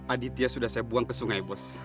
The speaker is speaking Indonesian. aditya sudah saya buang ke sungai bos